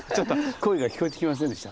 声が聞こえてきませんでした？